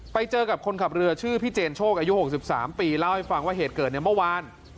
ไปเจอกับคนขับเรือชื่อพี่เจนโชคอายุ๖๓ปีเล่าให้ฟังว่าเหตุเกิดในเมื่อวาน